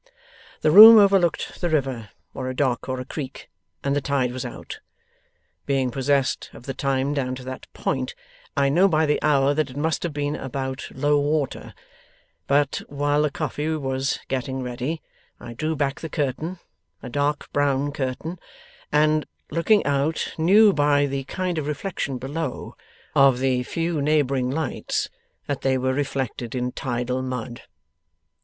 The room overlooked the river, or a dock, or a creek, and the tide was out. Being possessed of the time down to that point, I know by the hour that it must have been about low water; but while the coffee was getting ready, I drew back the curtain (a dark brown curtain), and, looking out, knew by the kind of reflection below, of the few neighbouring lights, that they were reflected in tidal mud.